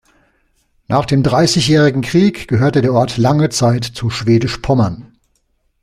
Nach dem Dreißigjährigen Krieg gehörte der Ort lange Zeit zu Schwedisch Pommern.